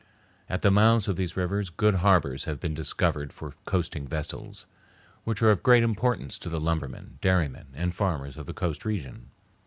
At the mouths of these rivers good harbors have been discovered for coasting vessels, which are of great importance to the lumbermen, dairymen, and farmers of the coast region.